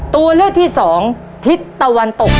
ตัวเลือกที่๒ทิศตะวันตกครับ